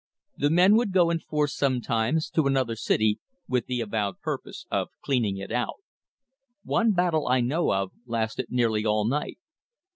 The men would go in force sometimes to another city with the avowed purpose of cleaning it out. One battle I know of lasted nearly all night.